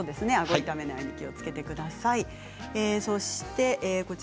痛めないように気をつけてください。